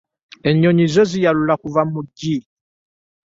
Ennyonyi zo ziyalula kuva mu magi.